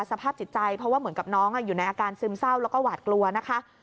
สภาพจิตใจเพราะว่าเหมือนกับน้องอยู่ในอาการซึมเศร้าแล้วก็หวาดกลัวนะคะ